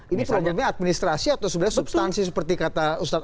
ini problemnya administrasi atau sebenarnya substansi seperti kata ustadz